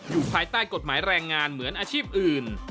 อยู่ภายใต้กฎหมายแรงงานเหมือนอาชีพอื่น